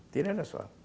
tidak ada soal